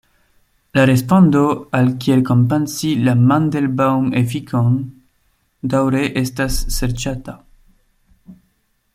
La respondo al kiel kompensi la "Mandelbaŭm-efikon" daŭre estas serĉata.